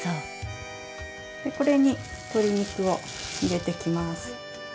これに鶏肉を入れてきます。